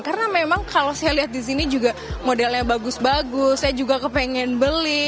karena memang kalau saya lihat di sini juga modelnya bagus bagus saya juga kepengen beli